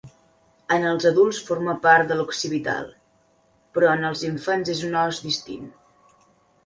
En els adults forma part de l'occipital, però en els infants és un os distint.